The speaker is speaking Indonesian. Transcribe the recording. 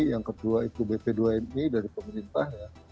yang kedua itu bp dua mi dari pemerintah ya